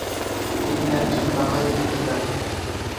তিনি একজন বাঙালি গীতিকার।